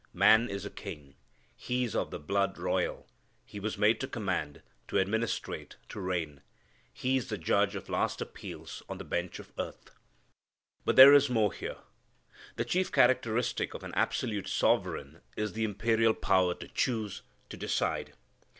Man is a king. He is of the blood royal. He was made to command, to administrate, to reign. He is the judge of last appeals on the bench of earth. But there is more here. The chief characteristic of an absolute sovereign is the imperial power to choose, to decide.